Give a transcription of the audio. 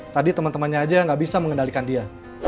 tadi temen temennya aja gak bisa mengendalikan dia